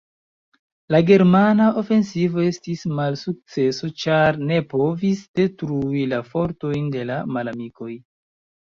La germana ofensivo estis malsukceso, ĉar ne povis detrui la fortojn de la malamikoj.